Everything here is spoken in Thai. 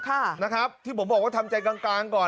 ที่ผมบอกว่าทำใจกลางก่อน